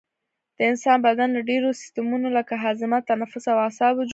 د انسان بدن له ډیرو سیستمونو لکه هاضمه تنفس او اعصابو جوړ دی